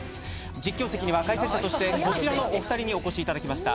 実況席には解説者としてこちらのお二人にお越しいただきました